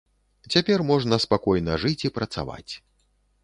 Цяпер можна спакойна жыць і працаваць.